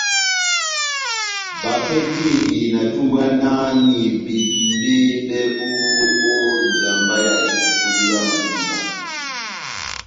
Bapehetedi na tumbwanahani bebímbɛ bɛbu ó njamba ya epupudu yá madíba.